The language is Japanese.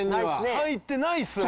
入ってないですね。